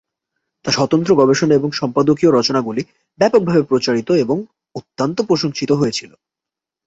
তাঁর স্বতন্ত্র গবেষণা এবং সম্পাদকীয় রচনাগুলি ব্যাপকভাবে প্রচারিত এবং অত্যন্ত প্রশংসিত হয়েছিল।